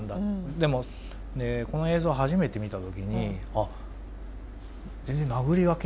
でもこの映像を初めて見た時にあっ全然なぐり書きじゃないんだ。